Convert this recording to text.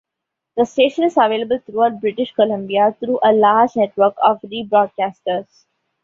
The station is available throughout British Columbia through a large network of rebroadcasters.